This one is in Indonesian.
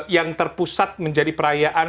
yang terpusat menjadi perayaan